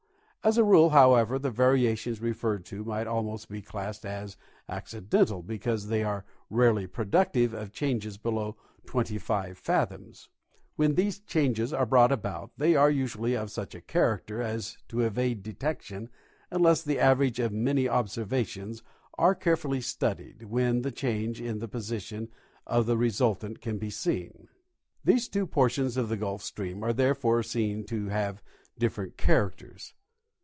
As a rule, however, the variations referred to might almost be classed as accidental, because they are rarely productive of changes below 25 fathoms. When these changes are brought about, they are usuallj^ of such a character as to evade detection unless the averages of many observations are carefully studied, when the change in the position of the re sultant can be seen. 164 William Libbey — Gulf Stream and Labrador Current. These two portions of the Gulf stream are therefore seen to have different characters.